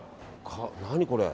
何これ？